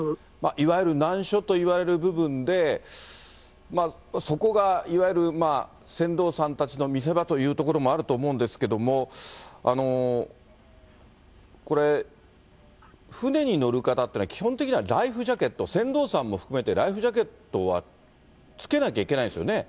いわゆる難所といわれる部分で、そこがいわゆる船頭さんたちの見せ場というところもあると思うんですけれども、舟に乗る方っていうのは、基本的にはライフジャケット、船頭さんも含めて、ライフジャケットはつけなきゃいけないですよね。